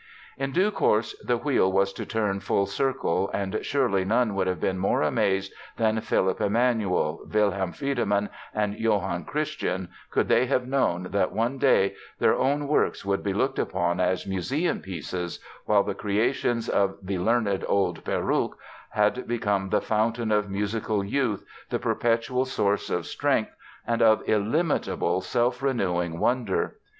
In due course the wheel was to turn full circle and surely none would have been more amazed than Philipp Emanuel, Wilhelm Friedemann, and Johann Christian could they have known that one day their own works would be looked upon as museum pieces, while the creations of the "learned old perruque" had become the fountain of musical youth, the perpetual source of strength and of illimitable, self renewing wonder.